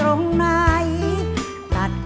และมุสิก